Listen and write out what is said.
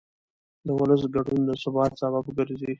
د ولس ګډون د ثبات سبب ګرځي